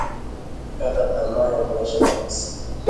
Nimekata tamaa ya maisha kabisa